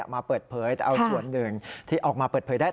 มาเปิดเผยแต่เอาส่วนหนึ่งที่ออกมาเปิดเผยได้